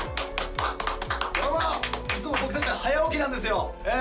どうもいつも僕達は早起きなんですよええ